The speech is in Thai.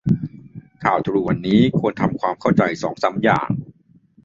ข่าวทรูวันนี้ควรทำความเข้าใจสองสามอย่าง